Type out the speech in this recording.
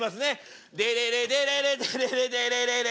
デレレデレレデレレデレレレ。